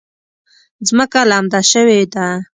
ځمکه لمده شوې ده